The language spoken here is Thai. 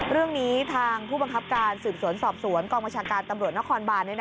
เรื่องนี้ทางผู้บังคับการสืบสวนสอบสวนกองบัญชาการตำรวจนครบาน